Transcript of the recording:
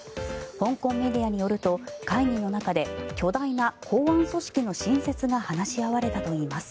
香港メディアによると会議の中で巨大な公安組織の新設が話し合われたといいます。